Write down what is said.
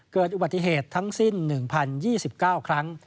เกิดอุบัติเหตุทั้งสิ้น๑๐๒๙ครั้ง